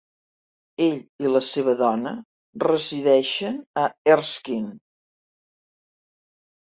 Ell i la seva dona resideixen a Erskine.